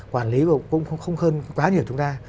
quản lý cũng không hơn quá nhiều chúng ta